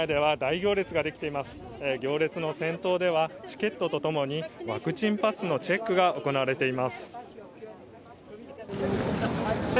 行列の先頭ではチケットとともにワクチンパスのチェックが行われています。